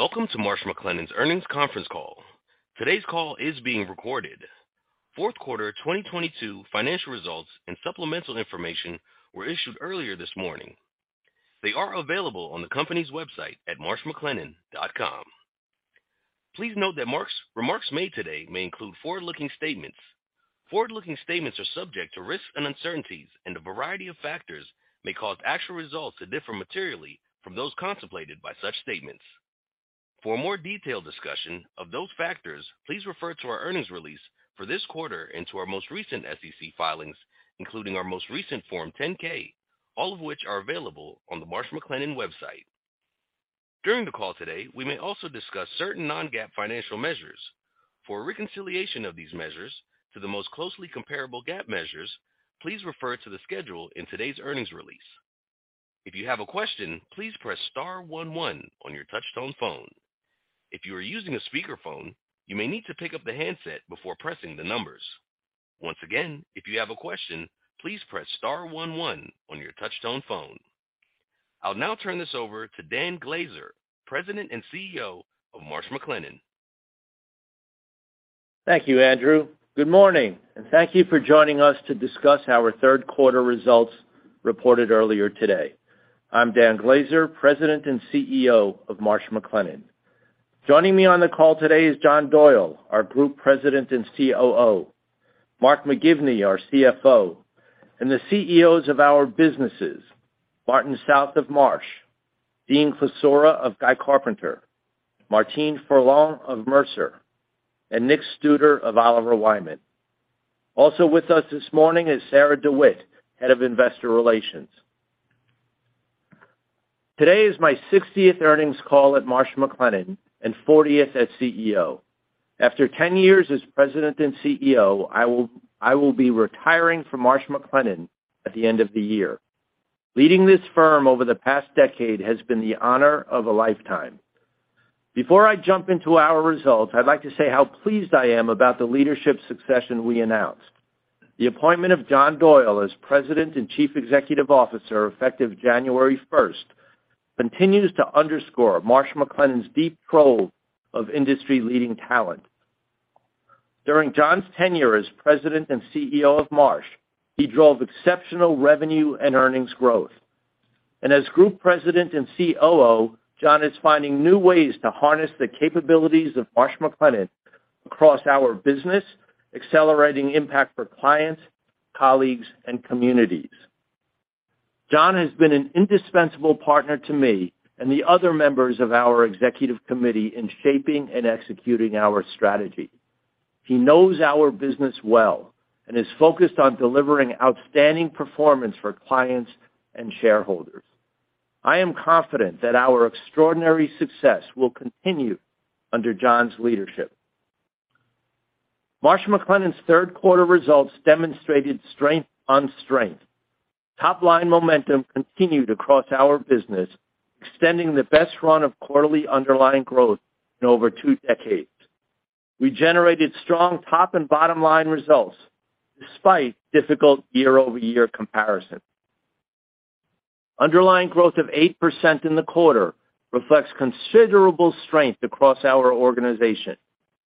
Welcome to Marsh McLennan's earnings conference call. Today's call is being recorded. Fourth quarter 2022 financial results and supplemental information were issued earlier this morning. They are available on the company's website at marshmclennan.com. Please note that remarks made today may include forward-looking statements. Forward-looking statements are subject to risks and uncertainties, and a variety of factors may cause actual results to differ materially from those contemplated by such statements. For a more detailed discussion of those factors, please refer to our earnings release for this quarter and to our most recent SEC filings, including our most recent Form 10-K, all of which are available on the Marsh McLennan website. During the call today, we may also discuss certain non-GAAP financial measures. For a reconciliation of these measures to the most closely comparable GAAP measures, please refer to the schedule in today's earnings release. If you have a question, please press star one one on your touch-tone phone. If you are using a speakerphone, you may need to pick up the handset before pressing the numbers. Once again, if you have a question, please press star one one on your touch-tone phone. I'll now turn this over to Dan Glaser, President and CEO of Marsh McLennan. Thank you, Andrew. Good morning, and thank you for joining us to discuss our third quarter results reported earlier today. I'm Dan Glaser, President and CEO of Marsh McLennan. Joining me on the call today is John Doyle, our Group President and COO, Mark McGivney, our CFO, and the CEOs of our businesses, Martin South of Marsh, Dean Klisura of Guy Carpenter, Martine Ferland of Mercer, and Nick Studer of Oliver Wyman. Also with us this morning is Sarah DeSanctis, Head of Investor Relations. Today is my 60th earnings call at Marsh McLennan and 40th as CEO. After 10 years as President and CEO, I will be retiring from Marsh McLennan at the end of the year. Leading this firm over the past decade has been the honor of a lifetime. Before I jump into our results, I'd like to say how pleased I am about the leadership succession we announced. The appointment of John Doyle as President and Chief Executive Officer, effective January first, continues to underscore Marsh McLennan's deep pool of industry-leading talent. During John's tenure as President and CEO of Marsh, he drove exceptional revenue and earnings growth. As Group President and COO, John is finding new ways to harness the capabilities of Marsh McLennan across our business, accelerating impact for clients, colleagues, and communities. John has been an indispensable partner to me and the other members of our executive committee in shaping and executing our strategy. He knows our business well and is focused on delivering outstanding performance for clients and shareholders. I am confident that our extraordinary success will continue under John's leadership. Marsh McLennan's third quarter results demonstrated strength on strength. Top-line momentum continued across our business, extending the best run of quarterly underlying growth in over two decades. We generated strong top and bottom line results despite difficult year-over-year comparison. Underlying growth of 8% in the quarter reflects considerable strength across our organization.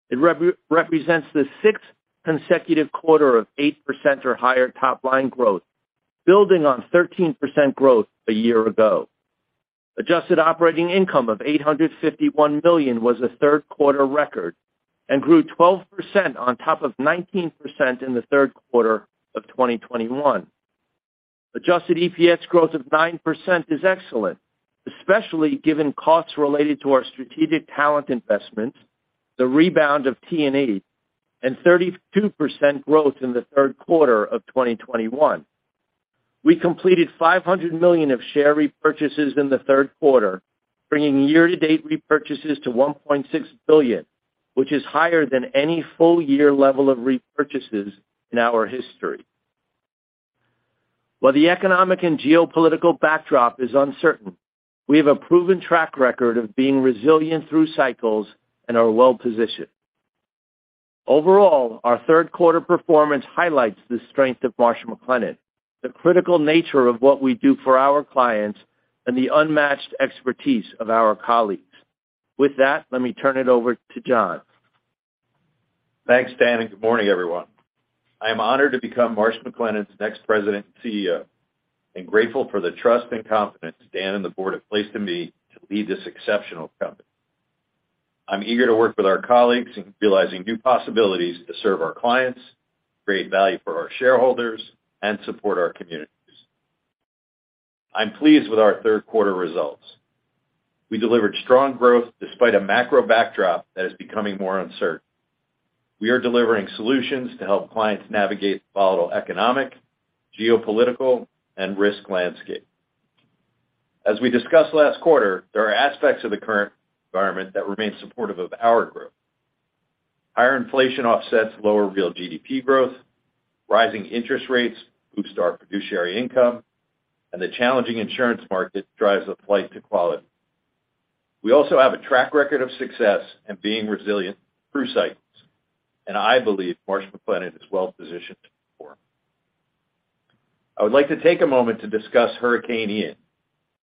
It represents the sixth consecutive quarter of 8% or higher top-line growth, building on 13% growth a year ago. Adjusted operating income of $851 million was a third quarter record and grew 12% on top of 19% in the third quarter of 2021. Adjusted EPS growth of 9% is excellent, especially given costs related to our strategic talent investments, the rebound of T&E, and 32% growth in the third quarter of 2021. We completed $500 million of share repurchases in the third quarter, bringing year-to-date repurchases to $1.6 billion, which is higher than any full year level of repurchases in our history. While the economic and geopolitical backdrop is uncertain, we have a proven track record of being resilient through cycles and are well positioned. Overall, our third quarter performance highlights the strength of Marsh McLennan, the critical nature of what we do for our clients, and the unmatched expertise of our colleagues. With that, let me turn it over to John. Thanks, Dan, and good morning, everyone. I am honored to become Marsh McLennan's next president and CEO, and grateful for the trust and confidence Dan and the board have placed in me to lead this exceptional company. I'm eager to work with our colleagues in realizing new possibilities to serve our clients, create value for our shareholders, and support our communities. I'm pleased with our third quarter results. We delivered strong growth despite a macro backdrop that is becoming more uncertain. We are delivering solutions to help clients navigate volatile economic, geopolitical, and risk landscape. As we discussed last quarter, there are aspects of the current environment that remain supportive of our growth. Higher inflation offsets lower real GDP growth, rising interest rates boost our fiduciary income, and the challenging insurance market drives a flight to quality. We also have a track record of success in being resilient through cycles, and I believe Marsh McLennan is well positioned to perform. I would like to take a moment to discuss Hurricane Ian,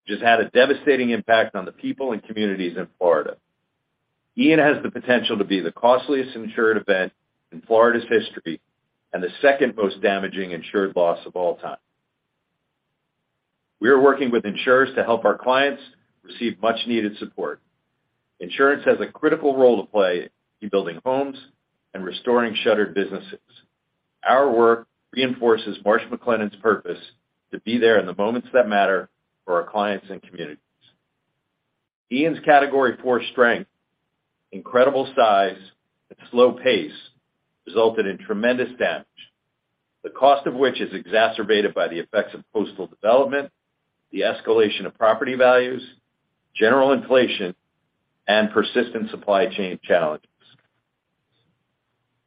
which has had a devastating impact on the people and communities in Florida. Ian has the potential to be the costliest insured event in Florida's history and the second most damaging insured loss of all time. We are working with insurers to help our clients receive much-needed support. Insurance has a critical role to play in rebuilding homes and restoring shuttered businesses. Our work reinforces Marsh McLennan's purpose to be there in the moments that matter for our clients and communities. Ian's Category 4 strength, incredible size, and slow pace resulted in tremendous damage, the cost of which is exacerbated by the effects of coastal development, the escalation of property values, general inflation, and persistent supply chain challenges.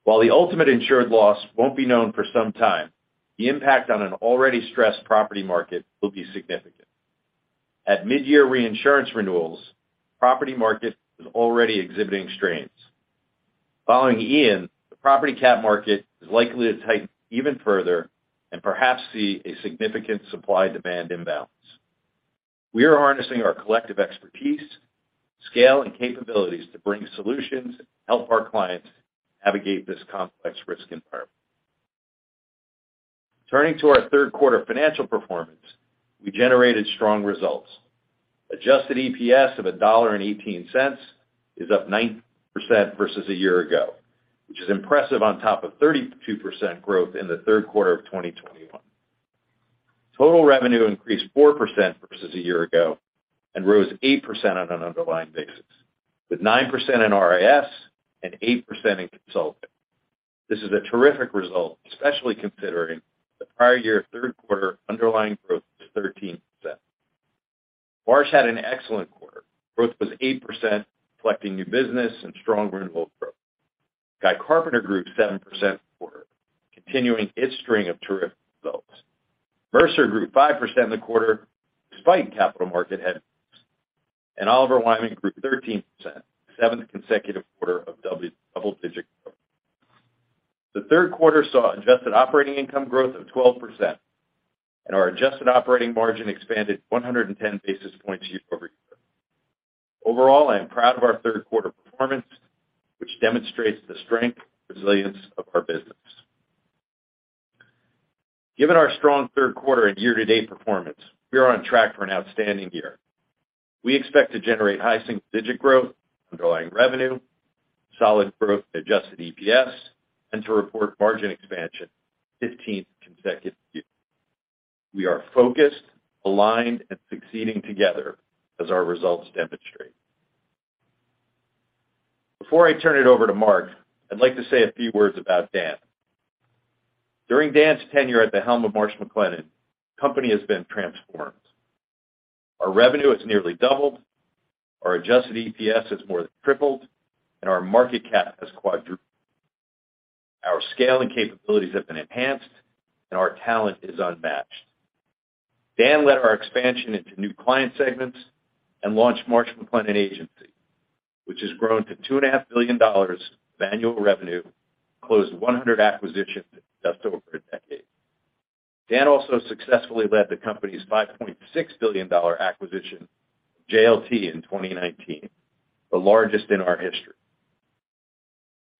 While the ultimate insured loss won't be known for some time, the impact on an already stressed property market will be significant. At mid-year reinsurance renewals, property market is already exhibiting strains. Following Ian, the property cat market is likely to tighten even further and perhaps see a significant supply-demand imbalance. We are harnessing our collective expertise, scale, and capabilities to bring solutions to help our clients navigate this complex risk environment. Turning to our third quarter financial performance, we generated strong results. Adjusted EPS of $1.18 is up 9% versus a year ago, which is impressive on top of 32% growth in the third quarter of 2021. Total revenue increased 4% versus a year ago and rose 8% on an underlying basis, with 9% in RIS and 8% in consulting. This is a terrific result, especially considering the prior year third quarter underlying growth was 13%. Marsh had an excellent quarter. Growth was 8%, reflecting new business and strong renewal growth. Guy Carpenter grew 7% for the quarter, continuing its string of terrific results. Mercer grew 5% in the quarter despite capital market headwinds. Oliver Wyman grew 13%, the seventh consecutive quarter of double-digit growth. The third quarter saw adjusted operating income growth of 12%, and our adjusted operating margin expanded 110 basis points year-over-year. Overall, I am proud of our third quarter performance, which demonstrates the strength and resilience of our business. Given our strong third quarter and year-to-date performance, we are on track for an outstanding year. We expect to generate high single-digit growth, underlying revenue, solid growth in adjusted EPS, and to report margin expansion 15 consecutive years. We are focused, aligned, and succeeding together as our results demonstrate. Before I turn it over to Mark, I'd like to say a few words about Dan. During Dan's tenure at the helm of Marsh McLennan, the company has been transformed. Our revenue has nearly doubled, our adjusted EPS has more than tripled, and our market cap has quadrupled. Our scale and capabilities have been enhanced, and our talent is unmatched. Dan led our expansion into new client segments and launched Marsh McLennan Agency, which has grown to $2.5 billion of annual revenue, closed 100 acquisitions in just over a decade. Dan also successfully led the company's $5.6 billion acquisition of JLT in 2019, the largest in our history.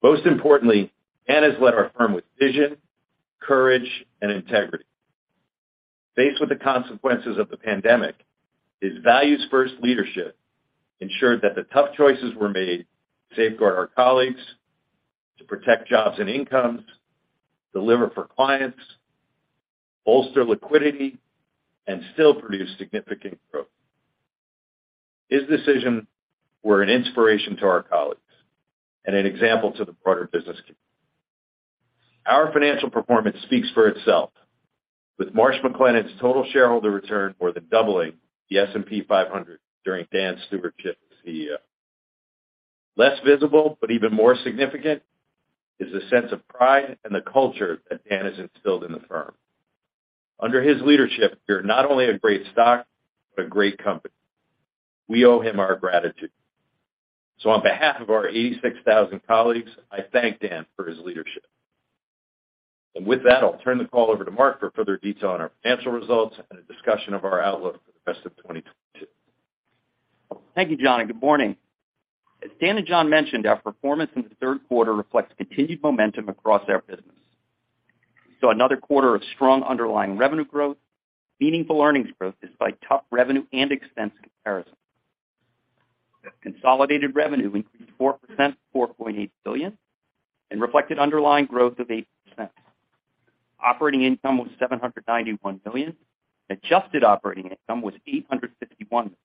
Most importantly, Dan has led our firm with vision, courage, and integrity. Faced with the consequences of the pandemic, his values-first leadership ensured that the tough choices were made to safeguard our colleagues, to protect jobs and incomes, deliver for clients, bolster liquidity, and still produce significant growth. His decisions were an inspiration to our colleagues and an example to the broader business community. Our financial performance speaks for itself, with Marsh McLennan's total shareholder return more than doubling the S&P 500 during Dan's stewardship as CEO. Less visible, but even more significant, is the sense of pride and the culture that Dan has instilled in the firm. Under his leadership, we are not only a great stock, but a great company. We owe him our gratitude. On behalf of our 86,000 colleagues, I thank Dan for his leadership. With that, I'll turn the call over to Mark for further detail on our financial results and a discussion of our outlook for the rest of 2022. Thank you, John, and good morning. As Dan and John mentioned, our performance in the third quarter reflects continued momentum across our business. We saw another quarter of strong underlying revenue growth, meaningful earnings growth despite tough revenue and expense comparisons. Consolidated revenue increased 4% to $4.8 billion and reflected underlying growth of 8%. Operating income was $791 million. Adjusted operating income was $851 million.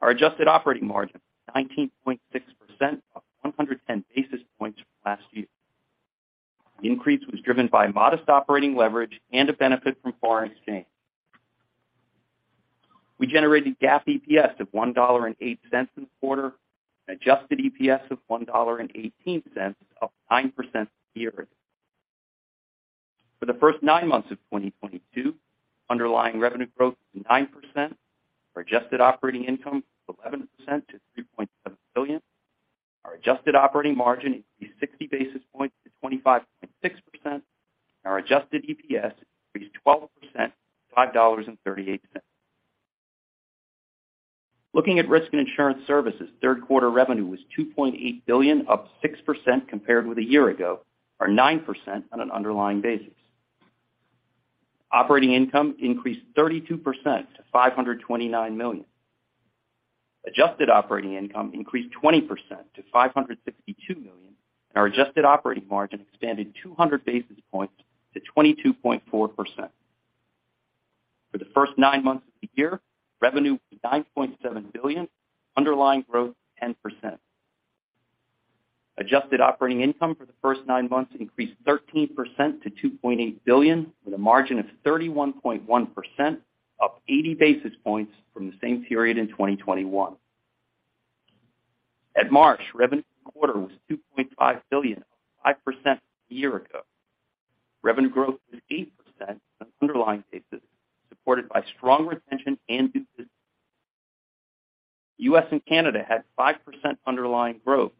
Our adjusted operating margin was 19.6%, up 110 basis points from last year. The increase was driven by modest operating leverage and a benefit from foreign exchange. We generated GAAP EPS of $1.08 this quarter and adjusted EPS of $1.18, up 9% year-over-year. For the first nine months of 2022, underlying revenue growth was 9%. Our adjusted operating income increased 11% to $3.7 billion. Our adjusted operating margin increased 60 basis points to 25.6%, and our adjusted EPS increased 12% to $5.38. Looking at risk and insurance services, third quarter revenue was $2.8 billion, up 6% compared with a year ago, or 9% on an underlying basis. Operating income increased 32% to $529 million. Adjusted operating income increased 20% to $562 million, and our adjusted operating margin expanded 200 basis points to 22.4%. For the first nine months of the year, revenue was $9.7 billion, underlying growth 10%. Adjusted operating income for the first nine months increased 13% to $2.8 billion with a margin of 31.1%, up 80 basis points from the same period in 2021. At Marsh, revenue for the quarter was $2.5 billion, up 5% from a year ago. Revenue growth was 8% on an underlying basis, supported by strong retention and new business. U.S. and Canada had 5% underlying growth,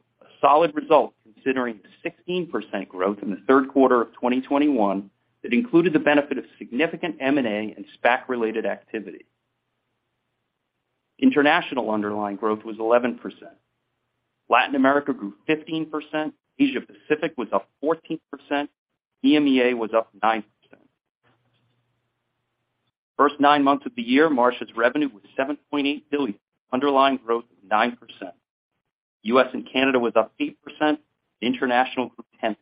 a solid result considering the 16% growth in the third quarter of 2021 that included the benefit of significant M&A and SPAC-related activity. International underlying growth was 11%. Latin America grew 15%. Asia Pacific was up 14%. EMEA was up 9%. First nine months of the year, Marsh's revenue was $7.8 billion. Underlying growth was 9%. U.S. and Canada was up 8%. International grew 10%.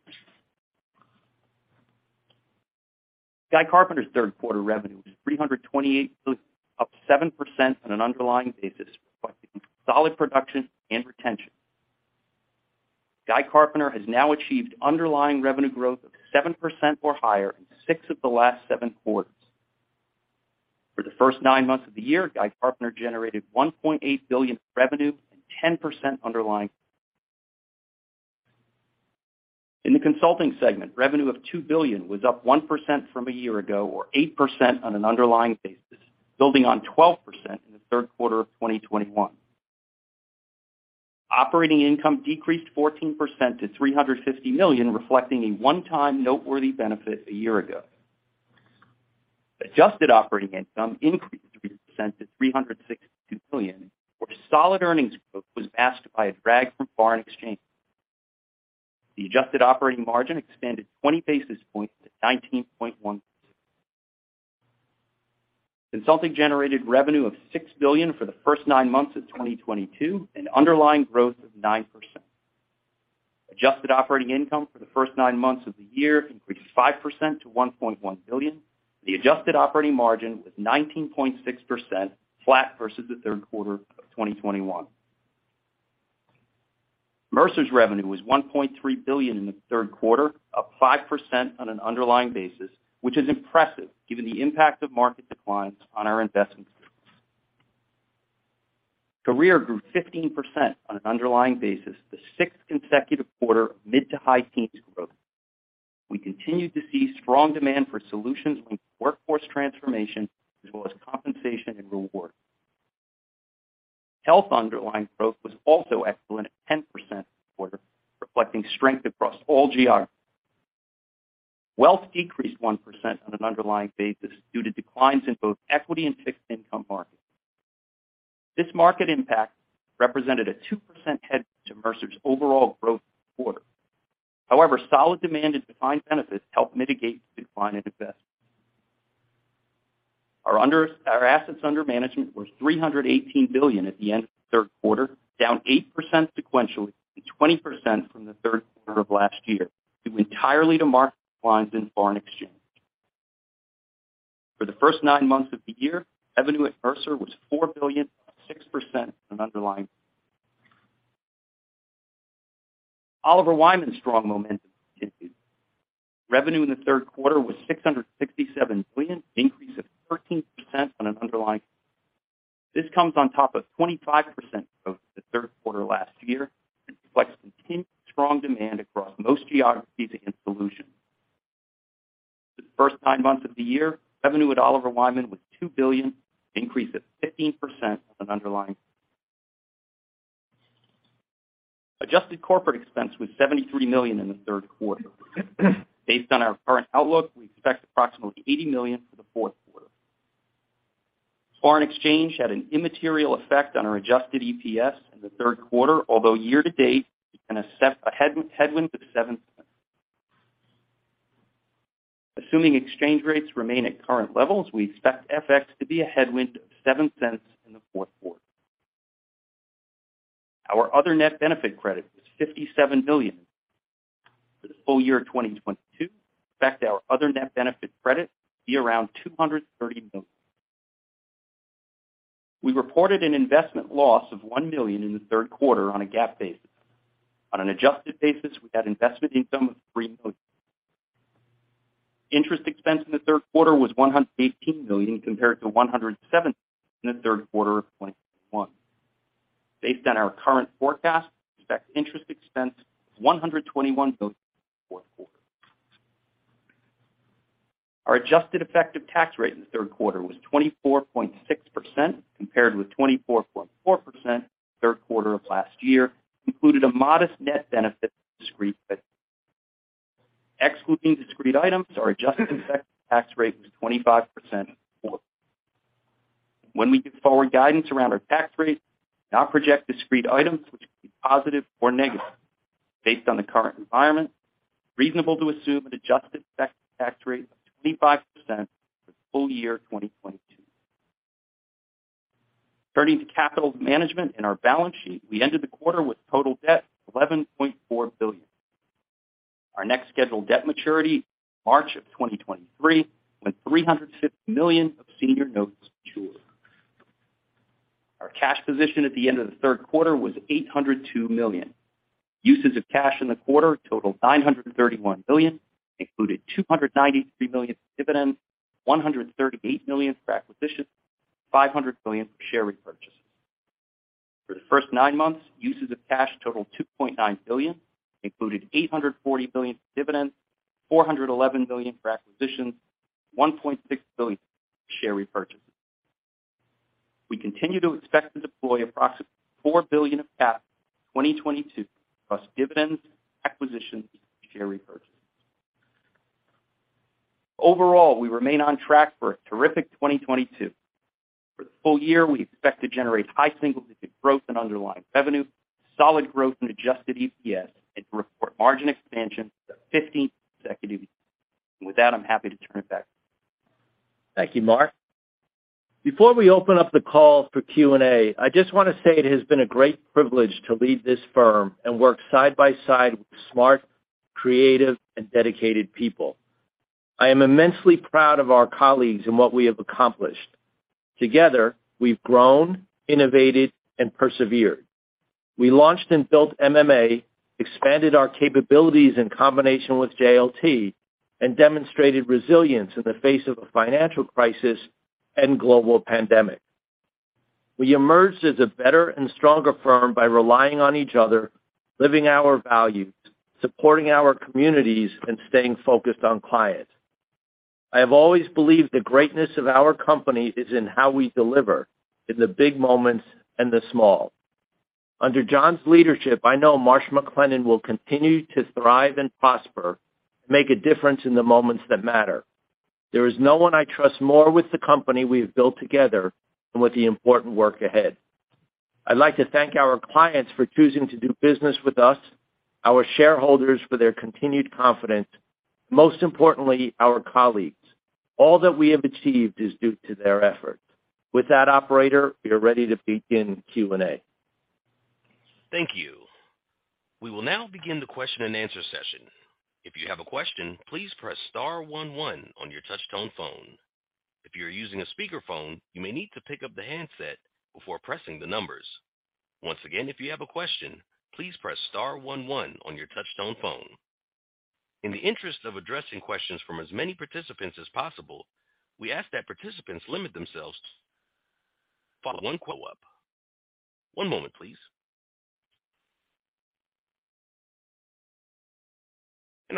Guy Carpenter's third quarter revenue was $328 million, up 7% on an underlying basis, reflecting solid production and retention. Guy Carpenter has now achieved underlying revenue growth of 7% or higher in six of the last seven quarters. For the first nine months of the year, Guy Carpenter generated $1.8 billion revenue and 10% underlying growth. In the consulting segment, revenue of $2 billion was up 1% from a year ago or 8% on an underlying basis, building on 12% in the third quarter of 2021. Operating income decreased 14% to $350 million, reflecting a one-time noteworthy benefit a year ago. Adjusted operating income increased 3% to $362 million, while solid earnings growth was masked by a drag from foreign exchange. The adjusted operating margin expanded 20 basis points to 19.1%. Consulting generated revenue of $6 billion for the first nine months of 2022, an underlying growth of 9%. Adjusted operating income for the first nine months of the year increased 5% to $1.1 billion. The adjusted operating margin was 19.6% flat versus the third quarter of 2021. Mercer's revenue was $1.3 billion in the third quarter, up 5% on an underlying basis, which is impressive given the impact of market declines on our investment services. Career grew 15% on an underlying basis, the sixth consecutive quarter of mid- to high-teens growth. We continued to see strong demand for solutions around workforce transformation as well as compensation and reward. Health underlying growth was also excellent at 10% for the quarter, reflecting strength across all geographies. Wealth decreased 1% on an underlying basis due to declines in both equity and fixed income markets. This market impact represented a 2% headwind to Mercer's overall growth for the quarter. However, solid demand and defined benefits helped mitigate the decline in investments. Our assets under management were $318 billion at the end of the third quarter, down 8% sequentially and 20% from the third quarter of last year, due entirely to market declines in foreign exchange. For the first nine months of the year, revenue at Mercer was $4 billion, up 6% on an underlying basis. Oliver Wyman's strong momentum continued. Revenue in the third quarter was $667 million, an increase of 13% on an underlying basis. This comes on top of 25% growth in the third quarter last year and reflects continued strong demand across most geographies and solutions. For the first nine months of the year, revenue at Oliver Wyman was $2 billion, an increase of 15% on an underlying basis. Adjusted corporate expense was $73 million in the third quarter. Based on our current outlook, we expect approximately $80 million for the fourth quarter. Foreign exchange had an immaterial effect on our adjusted EPS in the third quarter, although year-to-date it's been a headwind of $0.07. Assuming exchange rates remain at current levels, we expect FX to be a headwind of $0.07 in the fourth quarter. Our other net benefit credit was $57 million. For the full year of 2022, we expect our other net benefit credit to be around $230 million. We reported an investment loss of $1 million in the third quarter on a GAAP basis. On an adjusted basis, we had investment income of $3 million. Interest expense in the third quarter was $118 million compared to $117 million in the third quarter of 2021. Based on our current forecast, we expect interest expense of $121 million in the fourth quarter. Our adjusted effective tax rate in the third quarter was 24.6%, compared with 24.4% in the third quarter of last year, included a modest net benefit of discrete items. Excluding discrete items, our adjusted effective tax rate was 25% in the quarter. When we give forward guidance around our tax rate, we now project discrete items which could be positive or negative. Based on the current environment, reasonable to assume an adjusted effective tax rate of 25% for full year 2022. Turning to capital management and our balance sheet, we ended the quarter with total debt of $11.4 billion. Our next scheduled debt maturity is March of 2023, when $350 million of senior notes mature. Our cash position at the end of the third quarter was $802 million. Uses of cash in the quarter totaled $931 million, included $293 million for dividends, $138 million for acquisitions, $500 million for share repurchases. For the first nine months, uses of cash totaled $2.9 billion, included $840 million for dividends, $411 million for acquisitions, $1.6 billion for share repurchases. We continue to expect to deploy approximately $4 billion of cash in 2022, plus dividends, acquisitions, and share repurchases. Overall, we remain on track for a terrific 2022. For the full year, we expect to generate high single-digit growth in underlying revenue, solid growth in adjusted EPS, and to report margin expansion for the 15th consecutive year. With that, I'm happy to turn it back. Thank you, Mark. Before we open up the call for Q&A, I just want to say it has been a great privilege to lead this firm and work side by side with smart, creative, and dedicated people. I am immensely proud of our colleagues and what we have accomplished. Together, we've grown, innovated, and persevered. We launched and built MMA, expanded our capabilities in combination with JLT, and demonstrated resilience in the face of a financial crisis and global pandemic. We emerged as a better and stronger firm by relying on each other, living our values, supporting our communities, and staying focused on clients. I have always believed the greatness of our company is in how we deliver in the big moments and the small. Under John's leadership, I know Marsh McLennan will continue to thrive and prosper, make a difference in the moments that matter. There is no one I trust more with the company we have built together than with the important work ahead. I'd like to thank our clients for choosing to do business with us, our shareholders for their continued confidence, most importantly, our colleagues. All that we have achieved is due to their efforts. With that, operator, we are ready to begin Q&A. Thank you. We will now begin the question and answer session. If you have a question, please press star one one on your touchtone phone. If you are using a speakerphone, you may need to pick up the handset before pressing the numbers. Once again, if you have a question, please press star one one on your touchtone phone. In the interest of addressing questions from as many participants as possible, we ask that participants limit themselves to one question. One moment, please.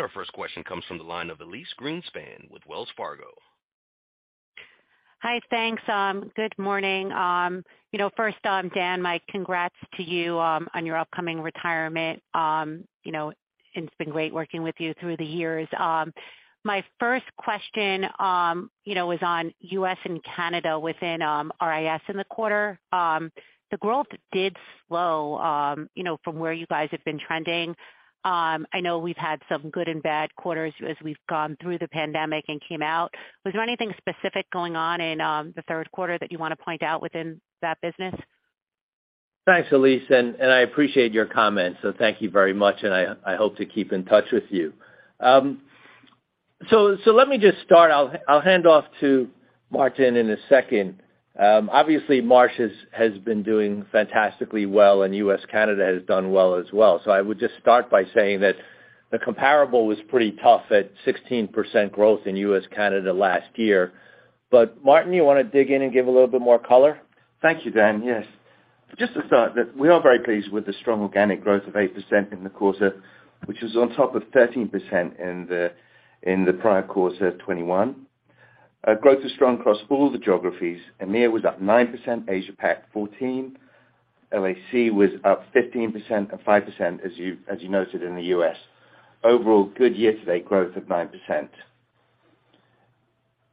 Our first question comes from the line of Elyse Greenspan with Wells Fargo. Hi. Thanks. Good morning. You know, first, Dan, my congrats to you on your upcoming retirement. You know, it's been great working with you through the years. My first question, you know, was on U.S. and Canada within RIS in the quarter. The growth did slow, you know, from where you guys have been trending. I know we've had some good and bad quarters as we've gone through the pandemic and came out. Was there anything specific going on in the third quarter that you want to point out within that business? Thanks, Elyse. I appreciate your comments. Thank you very much, and I hope to keep in touch with you. Let me just start. I'll hand off to Martin in a second. Obviously, Marsh has been doing fantastically well, and U.S. Canada has done well as well. I would just start by saying that the comparable was pretty tough at 16% growth in U.S. Canada last year. Martin, you wanna dig in and give a little bit more color? Thank you, Dan. Yes. Just to start that we are very pleased with the strong organic growth of 8% in the quarter, which is on top of 13% in the prior quarter 2021. Growth is strong across all the geographies. EMEA was up 9%, Asia Pac 14%, LAC was up 15%, and 5%, as you noted in the US. Overall, good year-to-date growth of 9%.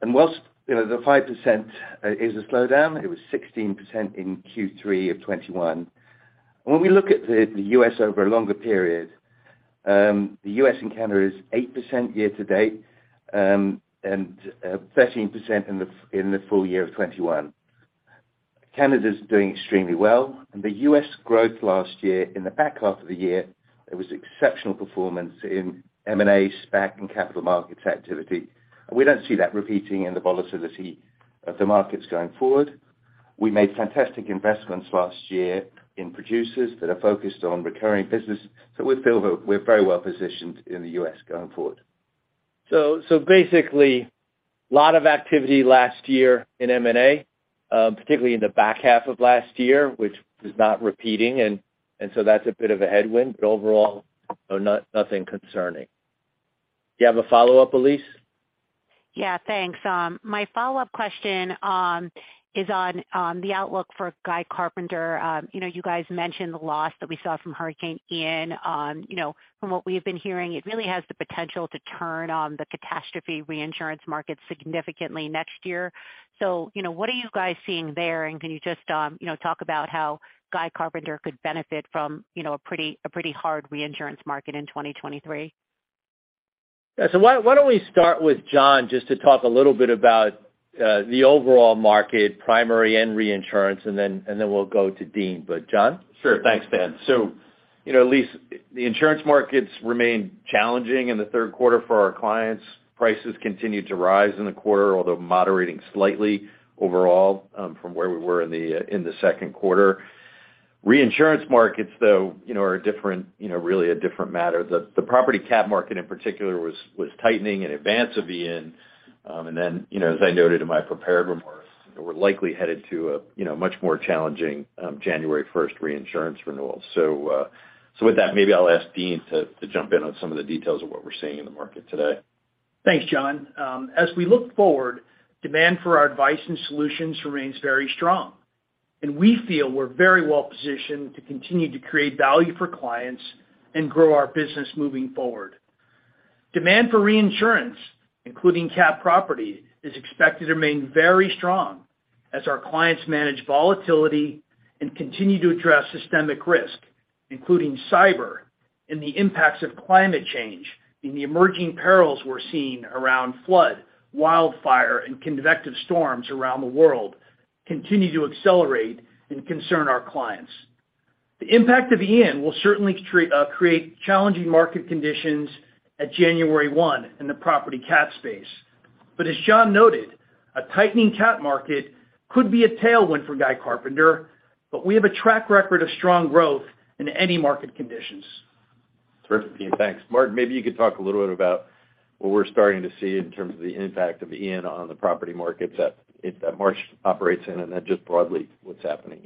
While, you know, the 5% is a slowdown, it was 16% in Q3 of 2021. When we look at the US over a longer period, the US and Canada is 8% year-to-date, and 13% in the full year of 2021. Canada's doing extremely well, and the U.S. growth last year, in the back half of the year, there was exceptional performance in M&A, SPAC, and capital markets activity. We don't see that repeating in the volatility of the markets going forward. We made fantastic investments last year in producers that are focused on recurring business, so we feel that we're very well positioned in the U.S. going forward. Basically, a lot of activity last year in M&A, particularly in the back half of last year, which is not repeating, and so that's a bit of a headwind. Overall nothing concerning. Do you have a follow-up, Elyse? Yeah. Thanks. My follow-up question is on the outlook for Guy Carpenter. You know, you guys mentioned the loss that we saw from Hurricane Ian. You know, from what we've been hearing, it really has the potential to turn on the catastrophe reinsurance market significantly next year. You know, what are you guys seeing there? And can you just, you know, talk about how Guy Carpenter could benefit from, you know, a pretty hard reinsurance market in 2023? Yeah. Why don't we start with John just to talk a little bit about the overall market, primary and reinsurance, and then we'll go to Dean. John? Sure. Thanks, Dan. You know, Elyse, the insurance markets remained challenging in the third quarter for our clients. Prices continued to rise in the quarter, although moderating slightly overall, from where we were in the second quarter. Reinsurance markets, though, you know, are different, you know, really a different matter. The property cat market, in particular, was tightening in advance of Ian. And then, you know, as I noted in my prepared remarks, we're likely headed to a, you know, much more challenging January first reinsurance renewal. With that, maybe I'll ask Dean to jump in on some of the details of what we're seeing in the market today. Thanks, John. As we look forward, demand for our advice and solutions remains very strong. We feel we're very well positioned to continue to create value for clients and grow our business moving forward. Demand for reinsurance, including cat property, is expected to remain very strong as our clients manage volatility and continue to address systemic risk, including cyber and the impacts of climate change and the emerging perils we're seeing around flood, wildfire, and convective storms around the world continue to accelerate and concern our clients. The impact of Hurricane Ian will certainly create challenging market conditions at January 1 in the property cat space. As John noted, a tightening cat market could be a tailwind for Guy Carpenter, but we have a track record of strong growth in any market conditions. Terrific, Dean. Thanks. Martin, maybe you could talk a little bit about what we're starting to see in terms of the impact of Ian on the property markets that Marsh operates in, and then just broadly what's happening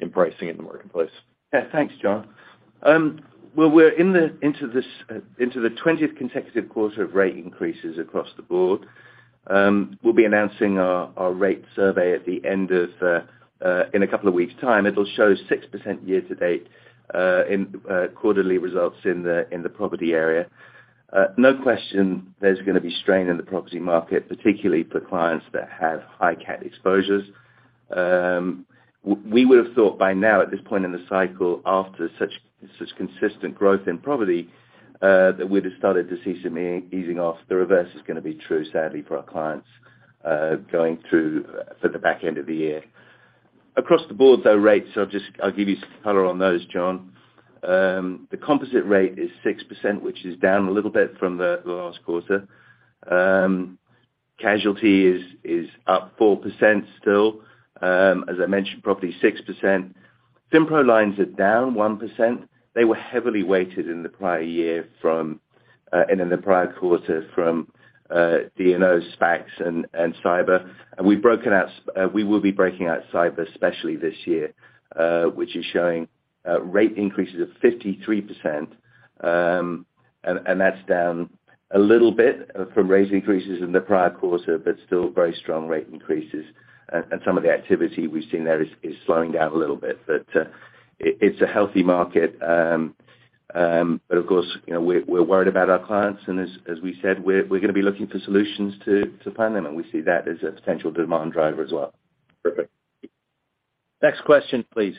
in pricing in the marketplace. Yeah. Thanks, John. Well, we're into the 20th consecutive quarter of rate increases across the board. We'll be announcing our rate survey in a couple of weeks' time. It'll show 6% year-to-date in quarterly results in the property area. No question there's gonna be strain in the property market, particularly for clients that have high cat exposures. We would have thought by now at this point in the cycle after such consistent growth in property that we'd have started to see some easing off. The reverse is gonna be true, sadly for our clients, going through to the back end of the year. Across the board, though, rates. I'll just give you some color on those, John. The composite rate is 6%, which is down a little bit from the last quarter. Casualty is up 4% still. As I mentioned, property 6%. FINPRO lines are down 1%. They were heavily weighted in the prior year and in the prior quarter from D&O, SPACs, and cyber. We will be breaking out cyber, especially this year, which is showing rate increases of 53%. That's down a little bit from rate increases in the prior quarter, but still very strong rate increases. Some of the activity we've seen there is slowing down a little bit. It's a healthy market. Of course, you know, we're worried about our clients, and as we said, we're gonna be looking for solutions to plan them, and we see that as a potential demand driver as well. Perfect. Next question, please.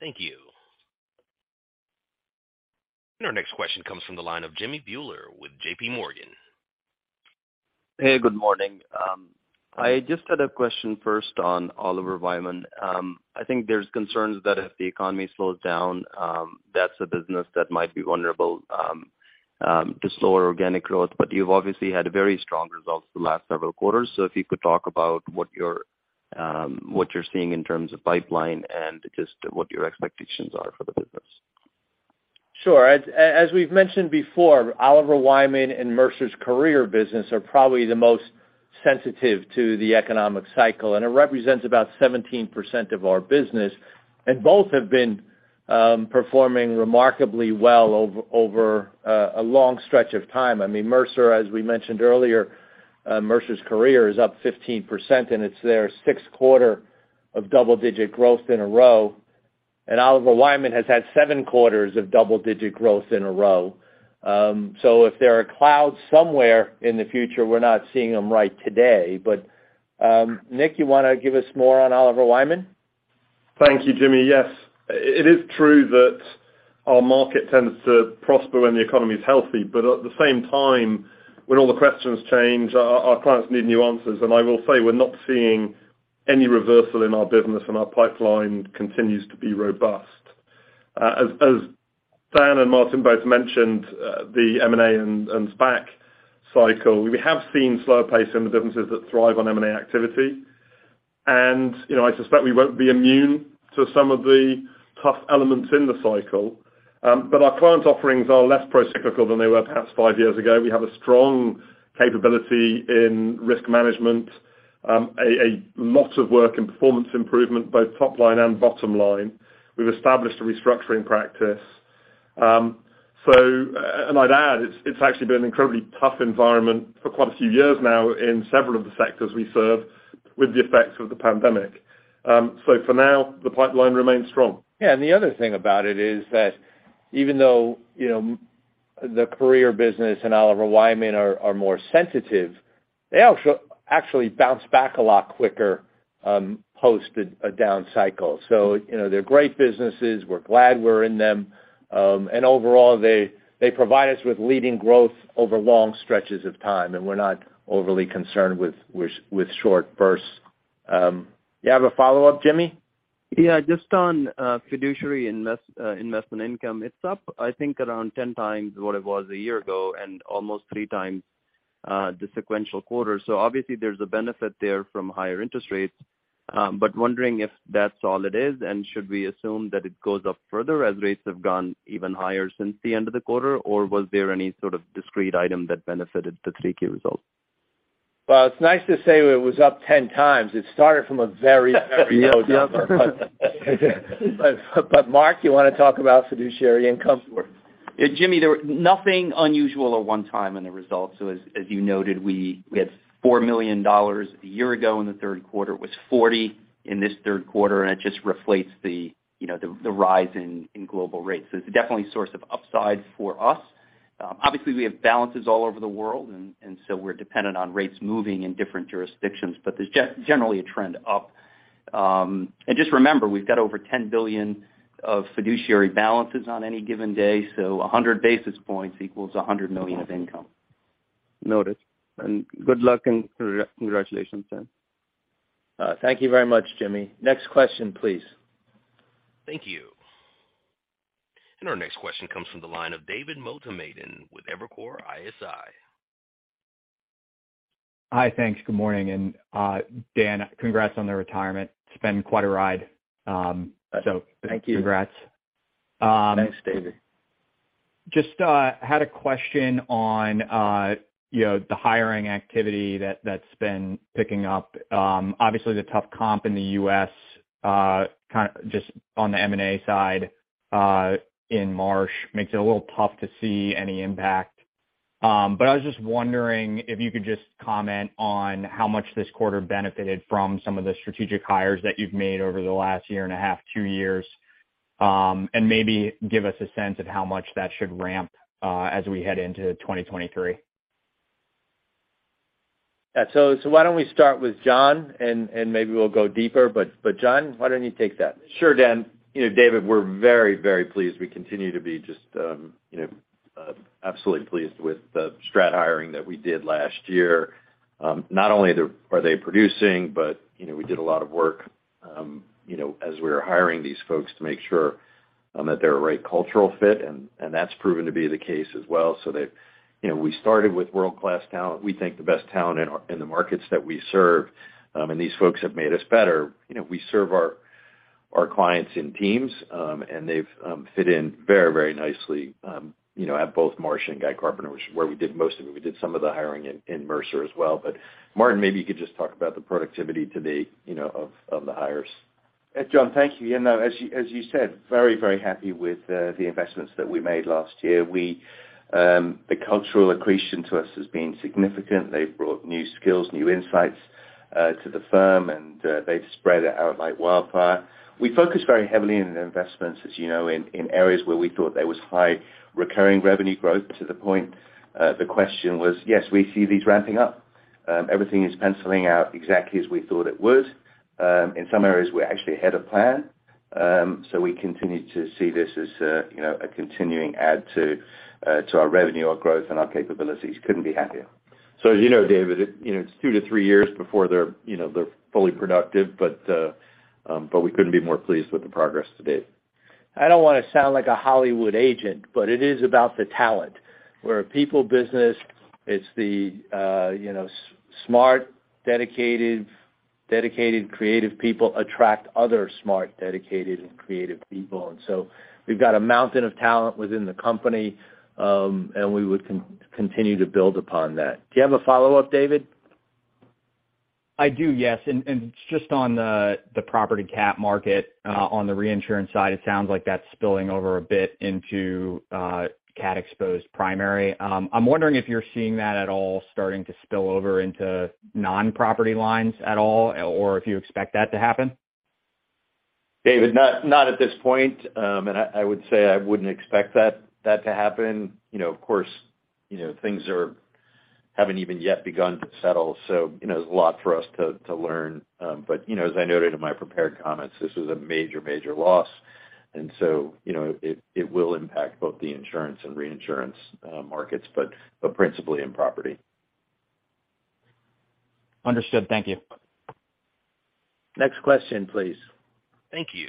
Thank you. Our next question comes from the line of Jimmy Bhullar with JPMorgan. Hey, good morning. I just had a question first on Oliver Wyman. I think there's concerns that if the economy slows down, that's a business that might be vulnerable to slower organic growth. But you've obviously had very strong results the last several quarters. If you could talk about what you're seeing in terms of pipeline and just what your expectations are for the business. Sure. As we've mentioned before, Oliver Wyman and Mercer's career business are probably the most sensitive to the economic cycle, and it represents about 17% of our business. Both have been performing remarkably well over a long stretch of time. I mean, Mercer, as we mentioned earlier, Mercer's career is up 15%, and it's their sixth quarter of double digit growth in a row. Oliver Wyman has had seven quarters of double digit growth in a row. If there are clouds somewhere in the future, we're not seeing them right today. Nick, you wanna give us more on Oliver Wyman? Thank you, Jimmy. Yes. It is true that our market tends to prosper when the economy is healthy. At the same time, when all the questions change, our clients need new answers. I will say, we're not seeing any reversal in our business, and our pipeline continues to be robust. As Dan and Martin both mentioned, the M&A and SPAC cycle, we have seen slower pace in the businesses that thrive on M&A activity. You know, I suspect we won't be immune to some of the tough elements in the cycle. Our client offerings are less procyclical than they were perhaps five years ago. We have a strong capability in risk management. A lot of work in performance improvement, both top line and bottom line. We've established a restructuring practice. I'd add, it's actually been an incredibly tough environment for quite a few years now in several of the sectors we serve with the effects of the pandemic. For now, the pipeline remains strong. Yeah. The other thing about it is that even though, you know, the career business and Oliver Wyman are more sensitive, they actually bounce back a lot quicker post a down cycle. You know, they're great businesses. We're glad we're in them. Overall, they provide us with leading growth over long stretches of time, and we're not overly concerned with short bursts. You have a follow-up, Jimmy? Yeah, just on fiduciary investment income. It's up, I think, around 10x what it was a year ago and almost 3x the sequential quarter. Obviously there's a benefit there from higher interest rates, but wondering if that's all it is, and should we assume that it goes up further as rates have gone even higher since the end of the quarter, or was there any sort of discrete item that benefited the Q3 results? Well, it's nice to say it was up 10x. It started from a very, very low number. Mark McGivney, you wanna talk about fiduciary income? Yeah, Jimmy, there's nothing unusual or one-time in the results. So as you noted, we had $4 million a year ago in the third quarter. It was $40 million in this third quarter, and it just reflects, you know, the rise in global rates. So it's definitely a source of upside for us. Obviously, we have balances all over the world, and so we're dependent on rates moving in different jurisdictions, but there's generally a trend up. And just remember, we've got over $10 billion of fiduciary balances on any given day, so 100 basis points equals $100 million of income. Noted. Good luck and congratulations then. Thank you very much, Jimmy. Next question, please. Thank you. Our next question comes from the line of David Motemaden with Evercore ISI. Hi. Thanks. Good morning. Dan, congrats on the retirement. It's been quite a ride. Congrats. Thank you. Thanks, David. Just had a question on you know the hiring activity that's been picking up. Obviously the tough comp in the U.S. just on the M&A side in Marsh makes it a little tough to see any impact. I was just wondering if you could just comment on how much this quarter benefited from some of the strategic hires that you've made over the last year and 2.5 years and maybe give us a sense of how much that should ramp as we head into 2023. Yeah. Why don't we start with John, and maybe we'll go deeper. John, why don't you take that? Sure, Dan. You know, David, we're very, very pleased. We continue to be just, you know, absolutely pleased with the Strat hiring that we did last year. Not only are they producing, but, you know, we did a lot of work, you know, as we were hiring these folks to make sure, that they're a right cultural fit, and that's proven to be the case as well. They've. You know, we started with world-class talent. We think the best talent in the markets that we serve, and these folks have made us better. You know, we serve our clients in teams, and they've fit in very, very nicely, you know, at both Marsh & Guy Carpenter, which is where we did most of it. We did some of the hiring in Mercer as well. Martin, maybe you could just talk about the productivity to date, you know, of the hires. John, thank you. You know, as you said, very, very happy with the investments that we made last year. The cultural accretion to us has been significant. They've brought new skills, new insights to the firm, and they've spread it out like wildfire. We focus very heavily in investments, as you know, in areas where we thought there was high recurring revenue growth to the point. The question was, yes, we see these ramping up. Everything is penciling out exactly as we thought it would. In some areas, we're actually ahead of plan. We continue to see this as a, you know, a continuing add to our revenue, our growth, and our capabilities. Couldn't be happier. As you know, David, it's 2-3 years before they're fully productive, but we couldn't be more pleased with the progress to date. I don't wanna sound like a Hollywood agent, but it is about the talent. We're a people business, it's the smart, dedicated, creative people attract other smart, dedicated, and creative people. We've got a mountain of talent within the company, and we would continue to build upon that. Do you have a follow-up, David? I do, yes. Just on the property cat market, on the reinsurance side, it sounds like that's spilling over a bit into cat exposed primary. I'm wondering if you're seeing that at all starting to spill over into non-property lines at all or if you expect that to happen. David, not at this point. I would say I wouldn't expect that to happen. You know, of course, you know, things haven't even yet begun to settle, so, you know, there's a lot for us to learn. You know, as I noted in my prepared comments, this was a major loss. You know, it will impact both the insurance and reinsurance markets, but principally in property. Understood. Thank you. Next question, please. Thank you.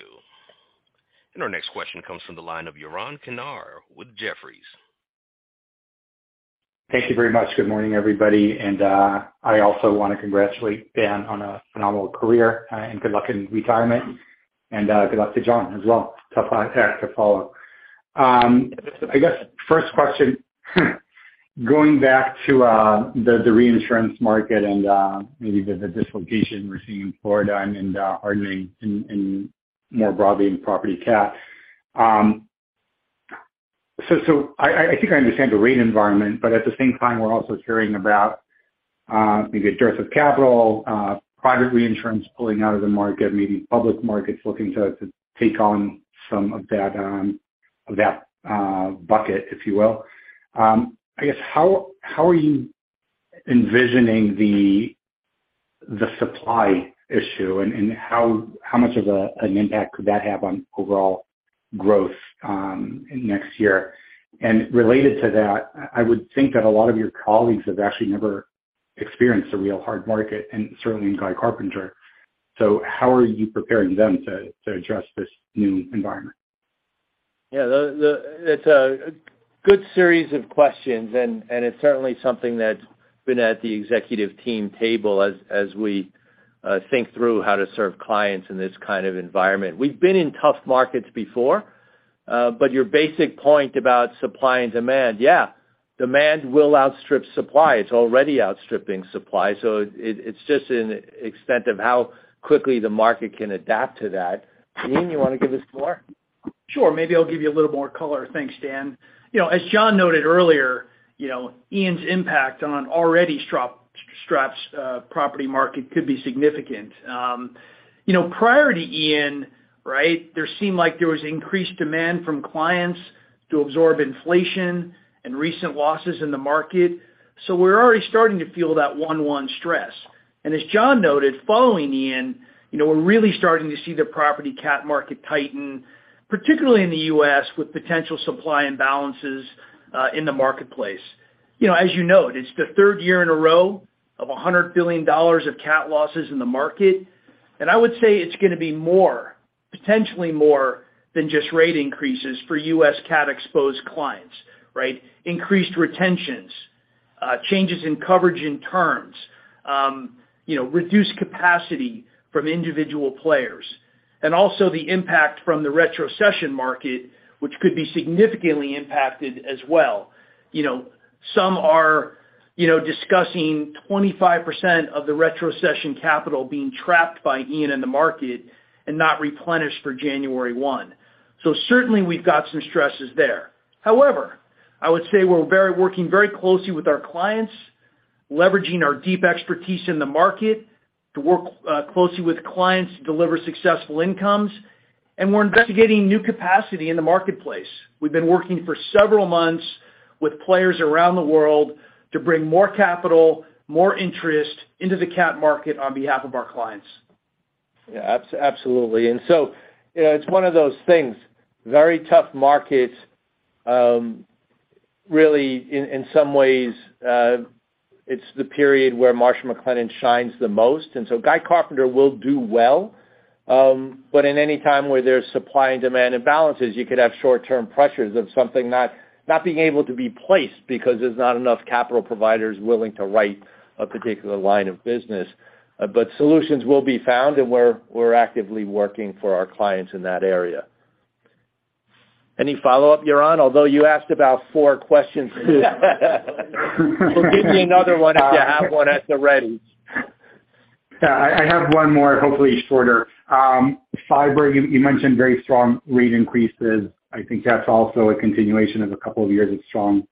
Our next question comes from the line of Yaron Kinar with Jefferies. Thank you very much. Good morning, everybody. I also wanna congratulate Dan on a phenomenal career, and good luck in retirement. Good luck to John as well. Tough act to follow. I guess first question, going back to the reinsurance market and maybe the dislocation we're seeing in Florida and hardening and more broadly in property cat. So I think I understand the rate environment, but at the same time, we're also hearing about maybe excess of capital, private reinsurance pulling out of the market, maybe public markets looking to take on some of that bucket, if you will. I guess how are you envisioning the supply issue? How much of an impact could that have on overall growth next year? Related to that, I would think that a lot of your colleagues have actually never experienced a real hard market and certainly in Guy Carpenter. How are you preparing them to address this new environment? Yeah, it's a good series of questions and it's certainly something that's been at the executive team table as we think through how to serve clients in this kind of environment. We've been in tough markets before, but your basic point about supply and demand, yeah, demand will outstrip supply. It's already outstripping supply. It's just in extent of how quickly the market can adapt to that. Ian, you wanna give us more? Sure. Maybe I'll give you a little more color. Thanks, Dan. You know, as John noted earlier, Ian's impact on already storm-stressed property market could be significant. Prior to Ian, right? There seemed like there was increased demand from clients to absorb inflation and recent losses in the market. We're already starting to feel that ongoing stress. As John noted, following Ian, we're really starting to see the property cat market tighten, particularly in the U.S. with potential supply imbalances in the marketplace. As you noted, it's the third year in a row of $100 billion of cat losses in the market. I would say it's gonna be more, potentially more than just rate increases for U.S. cat-exposed clients, right? Increased retentions, changes in coverage in terms, you know, reduced capacity from individual players. Also the impact from the retrocession market, which could be significantly impacted as well. You know, some are, you know, discussing 25% of the retrocession capital being trapped by Ian in the market and not replenished for January 1. Certainly we've got some stresses there. However, I would say we're working very closely with our clients, leveraging our deep expertise in the market to work closely with clients to deliver successful outcomes, and we're investigating new capacity in the marketplace. We've been working for several months with players around the world to bring more capital, more interest into the cat market on behalf of our clients. Yeah. Absolutely. You know, it's one of those things. Very tough markets, really in some ways, it's the period where Marsh McLennan shines the most, and so Guy Carpenter will do well. In any time where there's supply and demand imbalances, you could have short-term pressures of something not being able to be placed because there's not enough capital providers willing to write a particular line of business. Solutions will be found, and we're actively working for our clients in that area. Any follow-up, Yaron? Although you asked about four questions. Give me another one if you have one at the ready. Yeah, I have one more, hopefully shorter. Cyber, you mentioned very strong rate increases. I think that's also a continuation of a couple of years of strong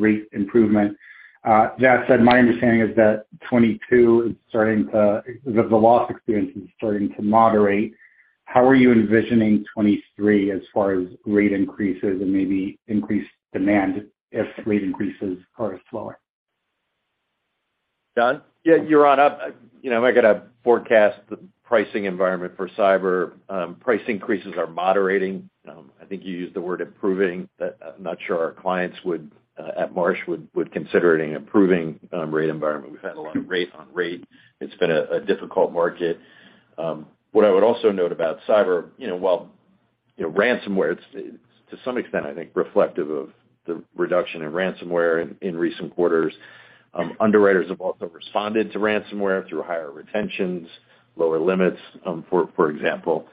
rate improvement. That said, my understanding is that the 2022 loss experience is starting to moderate. How are you envisioning 2023 as far as rate increases and maybe increased demand if rate increases are slower? John? Yeah, Yaron Kinar, you know, I'm not gonna forecast the pricing environment for cyber. Price increases are moderating. I think you used the word improving, but I'm not sure our clients at Marsh would consider it an improving rate environment. We've had a lot of rate-on-rate. It's been a difficult market. What I would also note about cyber, you know, while ransomware, it's to some extent, I think, reflective of the reduction in ransomware in recent quarters. Underwriters have also responded to ransomware through higher retentions, lower limits, for example.